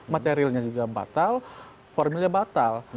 materialnya juga batal formilnya batal